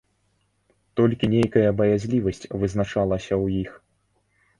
Толькі нейкая баязлівасць вызначалася ў іх.